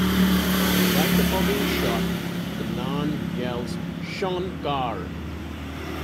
Right before being shot, the Narn yells Shon'Kar.